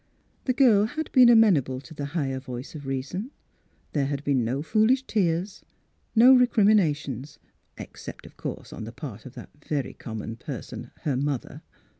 The girl had been amenable to the higher voice of reason ; there had been no foolish tears, no recriminations, except, of course, on the part of that very common person, her mother.